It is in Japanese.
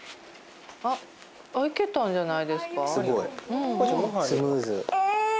あっいけたんじゃないですか？